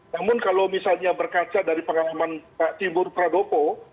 namun kalau misalnya berkaca dari pengalaman pak timbul pradopo